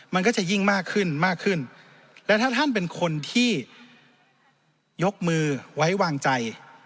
มันก็จะยิ่งมากขึ้นมากขึ้นและถ้าท่านเป็นคนที่ยกมือไว้วางใจ